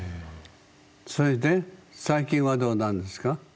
それで最近はどうなんですか？